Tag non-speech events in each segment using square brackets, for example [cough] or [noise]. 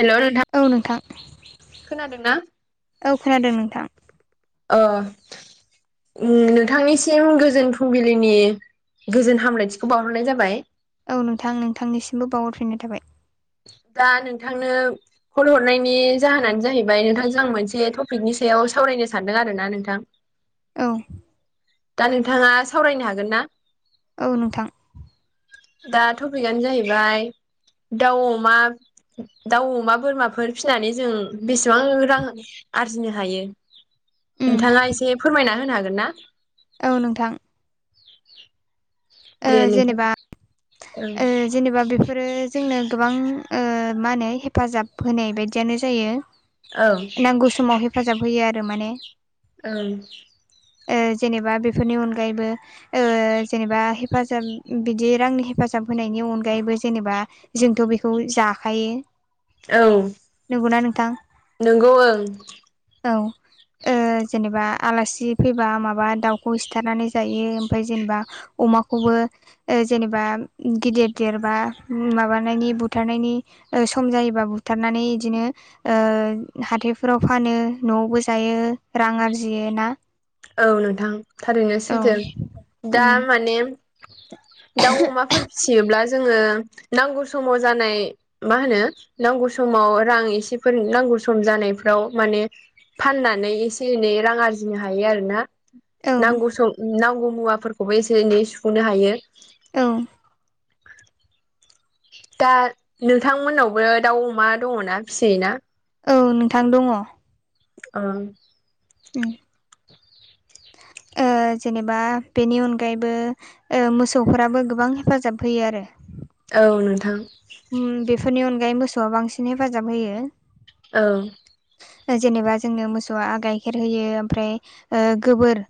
हेल' नोंथां औ नोंथां खोनादों ना औ खोनादों नोंथां अ नोंथांनिसिम गोजोन फुंबिलिनि गोजोन हामलायथिखौ बावहरनाय जाबाय। औ नोंथां नोंथांनिसिमबो बावहरफिननो थाबाय दा नोंथांनो कल हरनायनि जाहोनानो जाहैबाय नोंथांजों आं मोनसे टपिकनि सायाव सावरायनो सानदों आरो ना नोंथां। औ दा नोंथाङा सावरायनो हागोन ना औ नोंथां दा टपिकआनो जाहैबाय दाउ अमा दाउ अमा बोरमाफोर फिसिनानै जों बेसेबां रां आरजिनो हायो उम नोंथाङा एसे फोरमायना होनो हागोन ना औ नोंथां। ओ दनो नोंथां जेनेबा ओं ओ जेनेबा बे बेफोरो जोंनो गोबां मा होनो हेफाजाब होनाय बायदियानो जायो। औ नांगौ समाव हेफाजाब होयो आरो माने औं। ओ जेनेबा बेफोरनि अनगायैबो ओ जेनेबा हेफाजाब बिदि रांनि हेफाजाब होनायनि अनगायैबो जेनेबा जोंथ' बेखौ जाखायो। औ नंगौना नोंथां नंगौ ओं औ। ओ जेनेबा आलासि फैबा माबा दाउखौ सिथारनानै जायो ओमफ्राय जेनेबा अमाखौबो ओ जेनेबा गिदिर देरबा माबानायनि बुथारनायनि सम जायोबा बुथारनानै बिदिनो हाथायफोराव फानो न'आवबो जायो रां आरजियो ना औ नोंथां थारैनो औ सैथो दा उम माने दाव अमाफोर फिसियोब्ला जोंङ नांगौ समाव जानाय मा होनो नांगौ समाव रां एसेफोर नांगौ सम जानायफ्राव माने फाननानै एसे एनै रां आरजिनो हा हायो आरोना औ नांगौ सम नांगौ मुवाफोरखौबो एसे एनै सुफुंनो हायो। औ। दा नोंथांमोननावबो दाउ अमा दङ ना फिसियो ना? औ नोंथां दङ'। अ। उम [inaudible] ओ जेनेबा बेनि अनगायैबो ओ मोसौफोराबो गोबां हेफाजाब होयो आरो। औ नोंथां। ओम बेफोरनि अनगायै मोसौआ बांसिन हेफाजाब होयो। औ। जेनेबा जोंनो मोसौआ गाइखेर होयो ओमफ्राय ओ गोबोर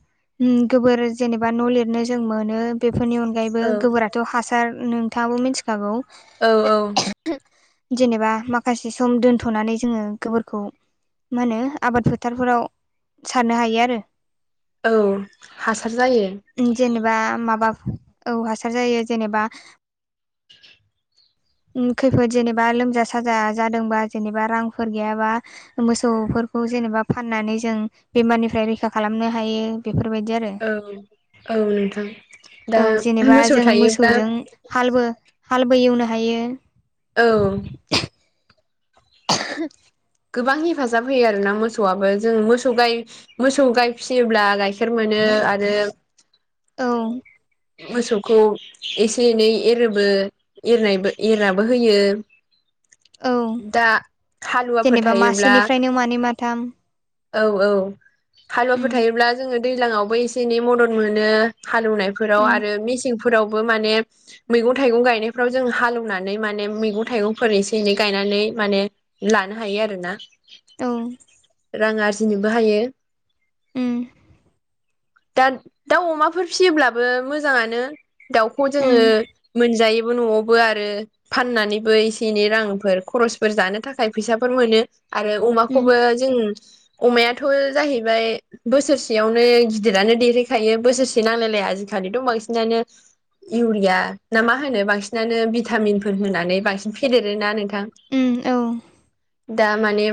ओम गोबोर जेनेबा न' लिरनो जों मोनो बेफोरनि अन गायैबो औ गोबोराथ' हासार नोंथाङाबो मिथिखागौ। औ औ। जेनेबा माखासे सम दोनथ'नानै जोङो गोबोर खौ मा होनो आबाद फोथारफोराव सारनो हायो आरो औ हासार जायो। जेनेबा माबा औ हासार जायो जेनेबा [inaudible] ओम खैफोद जेनेबा लोमजा साजा जादोंबा जेनेबा रांफोर गैयाबा मोसौफोरखौ जेनेबा फाननानै जों बेमारनिफ्राय रैखा खालामनो हायो बेफोरबायदि आरो। औ औ नोंथां औ दा जेनेबा मोसौ जों थायोब्ला मोसौजों हालबो- हालबो एवनो हायो। औ। [inaudible] गोबां हेफाजाब होयो आरोना मोसौआबो जों मोसौ गाय मोसौ गाइ फियोब्ला गाइखेर मोनो आरो औ। मोसौखौ एसे एनै एरोबो एरनायबो -एरनाबो होयो। औ दा हालुवाफोर जेनेबा थायोब्ला मासेनिफ्रायनो मानै माथाम औ औ हालुवाफोर उम थायोब्ला जोङो दैलाङावबो एसे एनै मदद मोनो हालौवनायफोराव उम आरो मेसेंफोरावबो माने मैगं-थाइगं गायनायफ्राव जों हालौनानै माने मैगं थाइगंफोर एसे एनै गायनानै माने लानो हायो आरोना औ उम रां आरजिनोबो हायो। ओम। दा दाउ अमाफोर फियोब्लाबो मोजाङानो। दाउखौ जोङो उम मोनजायोबो न'आव बो आरो फाननानैबो एसे एनै रांफोर खर'सफोर जानो थाखाय फैसाफोर मोनो आरो उम अमाखौबो जों अमायाथ' जाहैबाय बोसोरसेयावनो गिदिरानो देरहैखायो बोसोरसे नांलायलाया आजिखालिथ' बांसिनानो इउरिया ना मा होनो बांसिनानो भिथामिनफोर होनानै बांसिन फेदेरोना नों थां उम औ दा माने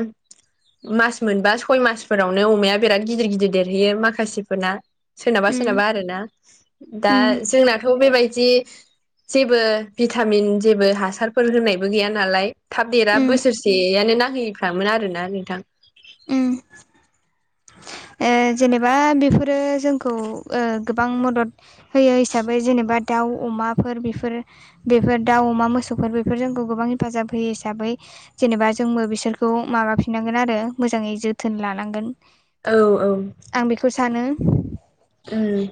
मास मोनबा सय मासफोरावनो अमाया बेराद गिदिर गिदिर देरहैयो माखासेफोरना। सोरनाबा उम सोरनाबा आरोना दा उम जोंनाथ' बेबायदि जेबो भिथामिन जेबो हासारफोर होनायबो गैया नालाय थाब देरा उम बोसोरसे सेयानो नांहैफ्रामो आरो ना नोंथां। [inaudible] ए जेनेबा बेफोरो जोंखौ ओ गोबां मदद होयो हिसाबै जेनेबा दाउ अमाफोर बेफोरो बेफोर दा- अमा मोसौफोर बेफोर जोंखौ गोबां हेफाजाब होयो हिसाबै जेनेबा जोंबो बिसोरखौ माबाफिननांगोन आरो मोजाङै जोथोन लानांगोन। औ औ आं बेखौ सानो। उम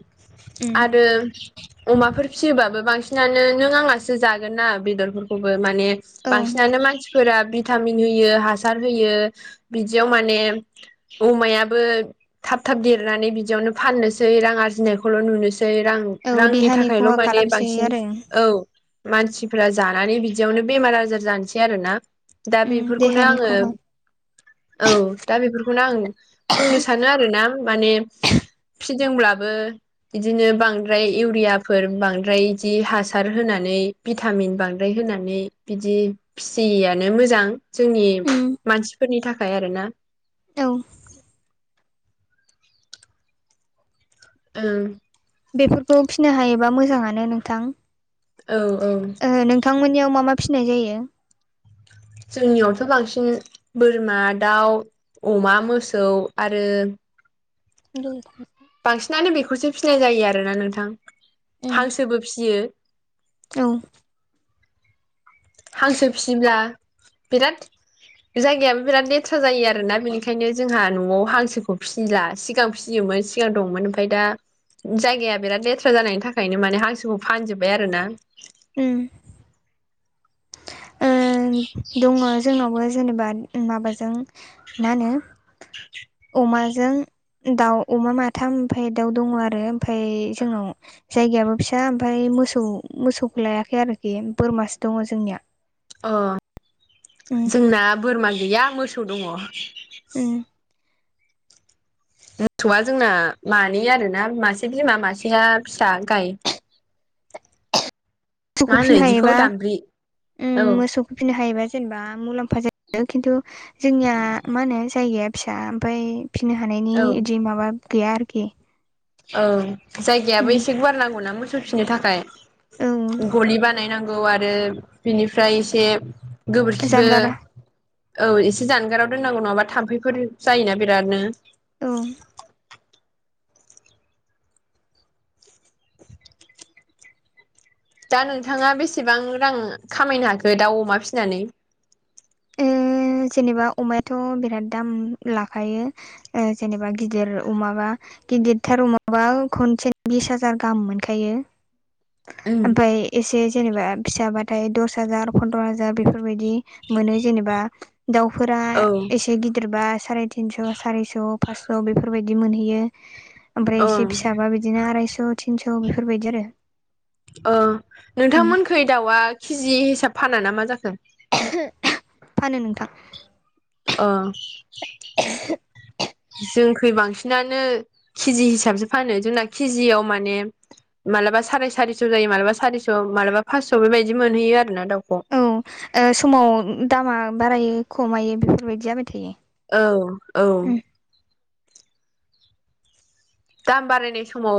उम आरो अमाफोर फिसियोबाबो बांसिनानो नों आंलासो जागोन ना बेदरफोरखौबो माने औ बांसिनानो मानसिफोरा भिटामिन होयो हासार होयो बिदियाव माने अमायाबो थाब थाब देरनानै बिदियावनो फाननोसै सै रां आर्जिनायखौल' नुनोसै रां औ रांनि देहानि थाखायल' खहा माने खालामसोयो बांसिन आरो औ मानसिफ्रा जानानै बिदियावनो बेमार आजार जानोसै आरोना। दा उम बेफोरखौनो देहानि आङो खहा औ दा बेफोरखौनो आं बुंनो सानो आरोना माने फिदोंब्लाबो इदिनो बांद्राय इउरियाफोर बांद्राय इदि हासार होनानै भिटामिन बांद्राय होनानै बिदि फिसियियानो मोजां जोंनि उम मानसिफोरनि थाखाय आरोना। औ। ओं। बेफोरखौ फिनो हायोबा मोजाङानो नोंथां। औ औ। ओ नोंथांमोननियाव मा मा फिनाय जायो? जोंनियावथ' बांसिन बोरमा दाउ अमा मोसौ आरो [unintelligible] बांसिनानो बेखौसो फिनाय जायो आरोना नोंथां हांसोबो फियो औ। हांसो फिसिब्ला बिराद जायगायाबो बिराद लेथ्रा जायो आरोना बेनिखायनो जोंहा न'आव हांसोखौ फिसि ला सिगां फिसियोमोन सिगां दंमोन ओमफाय दा जायगाया बिराद लेथ्रा जानायनि थाखायनो माने हांसोखौ फानजोब्बाय आरो ना। उम। ओम दङ जोंनावबो जेनेबा माबाजों मा होनो अमाजों दाउ अमा माथाम ओमफाय दाउ दङ आरो ओमफाय जोंनाव जायगायाबो फिसा ओमफ्राय मोसौ मोसौखौ लायाखै आरोखि बोरमासो दङ जोंनिया। अ उम जोंना बोरमा गैया मोसौ दङ। उम। मोसौआ जोंना मानै आरोना मासे बिमा मासेया फिसा गाय मा सौखौ होनो फिसिनो इदिखौ हायोबा दामब्रि उम औ मोसौ फिनो हायोबा जेनेबा मुलाम्फा जायो खिन्थु जोंनिया मा होनो जायगाया फिसा ओमफाय फिनो हानायनि औ इदि माबा गैया आरोखि। औ जायगायाबो उम एसे गुवार नांगौना मोसौ फिनो थाखाय औ गलि बान नाय नांगौ आरो बिनिफ्राय एसे गोबोरखिबो जानगार औ औ एसे जानगाराव दोननांगौ नङाबा थाम्फैफोर जायोना बिरादनो। औ। दा नोंथाङा बेसेबां रां खामायनो हाखो दाउ अमा फिनानै? ओम जेनेबा अमायाथ' बिराद दाम लाखायो ओ जेनेबा गिदिर अमाबा गिदिरथार अमाबा खनसे बिस हाजार गाहाम मोनखायो ओमफफ्राय एसे जेनेबा फिसाबाथाय दस हाजार फन्द्र' हाजार बेफोरबायदि मोनो जेनेबा दाउफोरा औ एसे गिदिरबा साराय थिनस' सारिस' फासस' बेफोरबायदि मोनहैयो ओमफ्राय औ एसे फिसाबा बिदि बिदिनो आरायस' थिनस' बेफोरबायदि आरो ओ उम नोंथांमोनखै दाउआ केजि हिसाब फाना ना मा जाखो? फानो नोंथां। ओ [unintelligible] जोंखै बांसिनानो केजि हिसाबसो फानो जोंना केजियाव माने मालाबा साराय सारिस' जायो मालाबा सारिस' मालाबा फासस' बेबायदि मोनहैयो आरोना दाउखौ औ ओ समाव दामा बारायो खमायो बेफोरबायदि जाबाय थायो औ औ उम दाम बारायनाय‌ समाव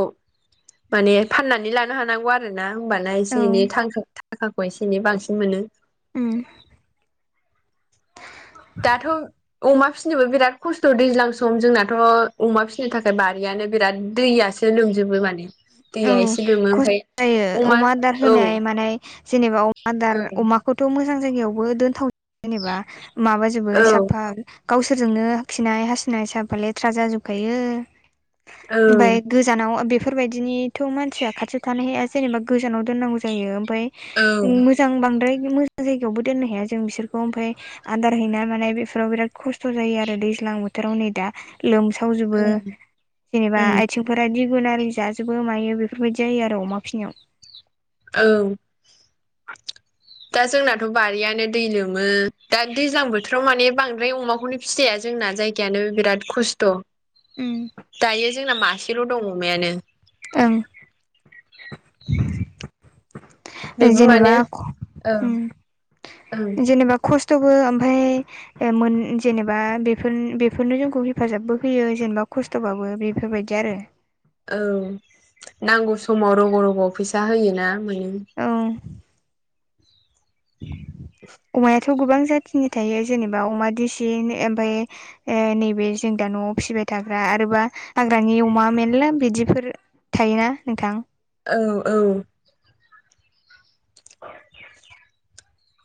माने फाननानै‌ लानो हानांगौ आरो आरोना होनबाना औ एसे एनै थां थाखाखौ एसे एनै बांसिन मोनो उ दाथ' अमा फिसिनोबो बिराद खस्थ' दैज्लां सम जोंनाथ' अमा फिसिनो थाखाय बारियानो बिराद दैयासो लोमजोबो माने दैया एसे लोमो ओमफ्राय ओ अमा आदार औ होनाय मानाय जेनेबा अमा आदार औ अमा खौथ' मोजां जायगायावबो दोनथाव जेनेबा माबाजोबो औ ओं साफा गावसोरजोंनो खिनाय हाासुनाय साफा लेथ्रा जाजोबखायो ओमफ्राय औ गोजानाव बेफोरबायदिनिथ' मानसिया खाथियाव थानो हाया जेनेबा गोजानाव दोननांगौ जायो ओमफ्राय मोजां बांद्राय मोजां जायगायावबो दोननो हाया जों बिसोरखौ ओमफ्राय आदार हैनाय मानाय बेफोराव बिराद खस्थ' जायो आरो दैज्लां बोथोराव नै दा लोमसावजोबो ओं जेनेबा ओं आथिंफोरा दिगुन आरि जाजोबो मायो बेफोरबायदि जायो आरो अमा फिनायाव औ दा जोंनाथ' बारियानो दै लोमो दा दैज्लां बोथोराव माने बांद्राय अमाखौनो फिसिजाया जोंना जायगायानो बिराद खस्थ' उम दायो जोंना मासेल' दङ अमायानो ओं ओ बेबो जेनेबा माने ओं ओं उम जेनेबा खस्थ'बो ओमफाय ऐ‌‌ मोन जेनेबा बेफोर बेफोरनो जोंखौ हेफाजाबबो होयो जेनेबा खस्थ' थ'बाबो बेफोरबायदि आरो औ नांगौ समाव रग' रग' फैसा होयोना मोनो औ [unintelligible] अमायाथ' गोबां जाथिनि थायो जेनेबा अमा दिेसि ओमफाय ए नैबे जों दा न'आव फिसिबाय थाग्रा आरोबा हाग्रानि अमा मेरला बिदिफोर थायोना नोंथां? औ औ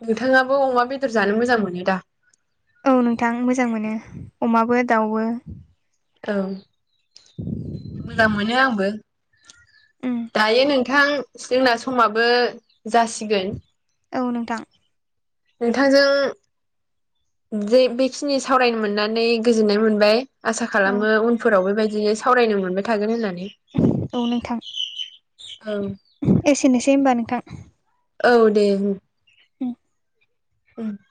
नोंथाङाबो अमा बेदर जानो मोजां मोनो दा? औ नोंथां मोजां मोनो अमाबो दाउबो। औ मोजां मोनो आंबो। उम दायो नोंथां जोंना समाबो जासिगोन औ नोंथां नोंथां जों। जे बेखिनि सावरायनो मोननानै गोजोननाय मोनबाय आसा औ खालामो उनफोराव बेबायदिनो। सावरायनो मोनबाय थागोन होननानै। औ नोंथां, औ एसेनोसै होनबा नोंथां। औ दे बुं। [inaudible] [inaudible]